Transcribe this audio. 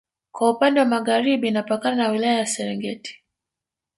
Kwa upande wa Magharibi inapakana na wilaya ya serengeti